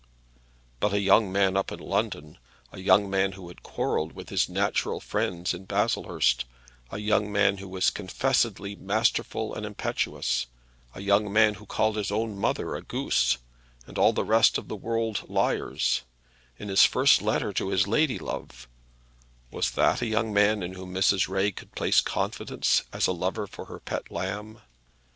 But a young man up in London, a young man who had quarrelled with his natural friends in Baslehurst, a young man who was confessedly masterful and impetuous, a young man who called his own mother a goose, and all the rest of the world liars, in his first letter to his lady love; was that a young man in whom Mrs. Ray could place confidence as a lover for her pet lamb?